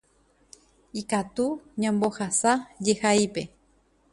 ikatu ñambohasa jehaípe.